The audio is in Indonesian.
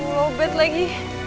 lalu bet lagi